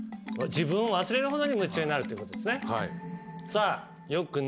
自分を忘れるほどに夢中になるっていうことですね。